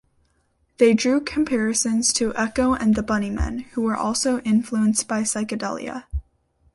They drew comparisons to Echo and the Bunnymen, who were also influenced by psychedelia.